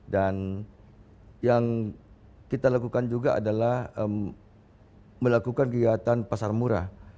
dan yang kita lakukan juga adalah melakukan kegiatan pasar murah